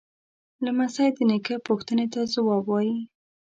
لمسی د نیکه پوښتنې ته ځواب وايي.